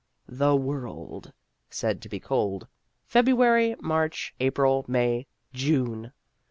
The world ! (said to be cold). Febru ary, March, April, May, June!